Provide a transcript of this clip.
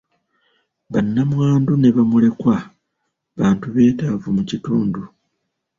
Bannamwandu ne bamulekwa bantu beetaavu mu kitundu.